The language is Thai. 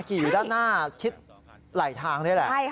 อยู่ด้านหน้าชิดไหลทางนี่แหละ